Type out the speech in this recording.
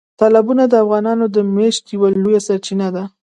تالابونه د افغانانو د معیشت یوه لویه سرچینه ده.